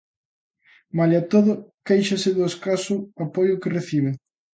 Malia todo, quéixase do escaso apoio que recibe.